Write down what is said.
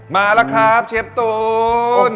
มาแล้วครับเชฟตูน